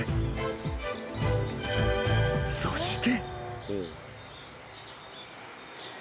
［そして］